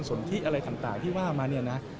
สนทิอะไรต่างที่ว่ามาเนี่ยนะ